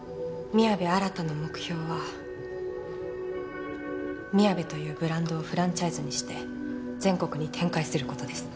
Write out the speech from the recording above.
宮部新の目標はみやべというブランドをフランチャイズにして全国に展開する事です。